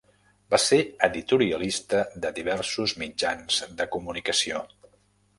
Va ser editorialista de diversos mitjans de comunicació.